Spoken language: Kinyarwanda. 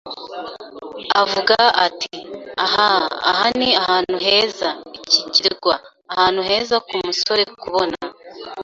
Avuga ati: “Ah, aha ni ahantu heza, iki kirwa - ahantu heza ku musore kubona